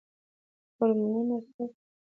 هورمونونه څه دي؟